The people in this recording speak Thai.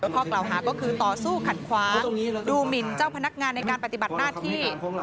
ข้อกล่าวหาก็คือต่อสู้ขัดขวางดูหมินเจ้าพนักงานในการปฏิบัติหน้าที่